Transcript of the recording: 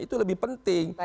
itu lebih penting